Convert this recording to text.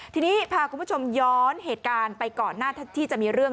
ทีนี้พาคุณผู้ชมย้อนเหตุการณ์ไปก่อนหน้าที่จะมีเรื่อง